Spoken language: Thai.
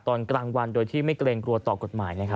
ตอนกลางวันโดยที่ไม่เกรงกลัวต่อกฎหมาย